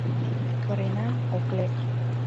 Кырена — ок лек.